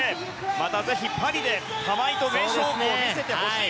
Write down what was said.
またぜひパリで玉井と名勝負を見せてほしい。